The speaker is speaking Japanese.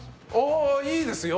いいですよ。